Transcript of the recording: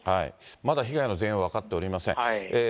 まだ被害の全容は分かっておりません。